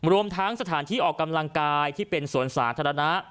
รวมทั้งสถานที่ออกกำลังกายที่เป็นสวนสาธารณะ